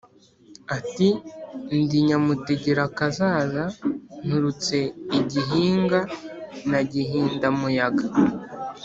ati:"ndi nyamutegerakazaza nturutse i gihinga na gihindamuyaga,